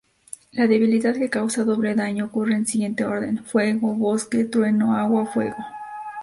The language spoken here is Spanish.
La debilidad que causa doble daño ocurre en siguiente orden: fuego→bosque→trueno→agua→fuego.